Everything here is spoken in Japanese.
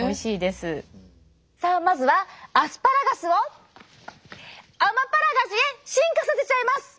さあまずはアスパラガスをアマパラガジュへ進化させちゃいます！